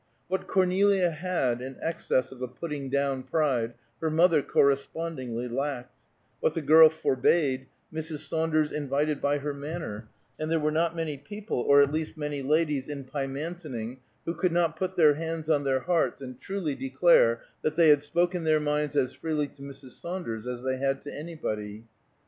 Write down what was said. What Cornelia had in excess of a putting down pride her mother correspondingly lacked; what the girl forbade, Mrs. Saunders invited by her manner, and there were not many people, or at least many ladies, in Pymantoning, who could not put their hands on their hearts and truly declare that they had spoken their minds as freely to Mrs. Saunders as they had to anybody.